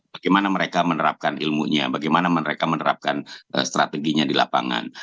bagaimana mereka menerapkan ilmunya bagaimana mereka menerapkan strateginya di lapangan